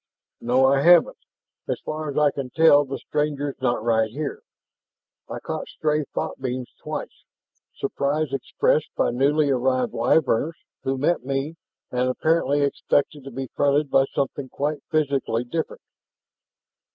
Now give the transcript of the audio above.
"No, I haven't. As far as I can tell, the stranger's not right here. I caught stray thought beams twice surprise expressed by newly arrived Wyverns who met me and apparently expected to be fronted by something quite physically different."